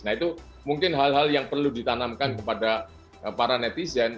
nah itu mungkin hal hal yang perlu ditanamkan kepada para netizen